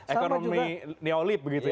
ekonomi neolib begitu ya